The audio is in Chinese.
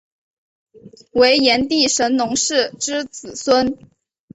为炎帝神农氏之子孙。